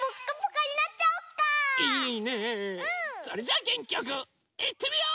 それじゃあげんきよくいってみよう！